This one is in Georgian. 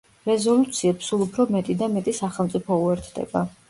რეზოლუციებს სულ ურო მეტი და მეტი სახელმწიფო უერთდება.